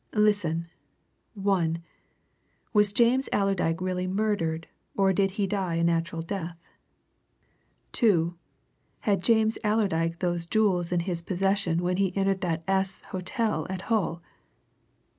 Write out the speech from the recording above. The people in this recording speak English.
"Listen! One Was James Allerdyke really murdered, or did he die a natural death? Two Had James Allerdyke those jewels in his possession when he entered that S Hotel at Hull!